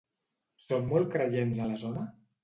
Són molt creients a la zona?